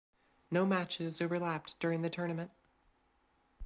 No matches overlapped during the tournament.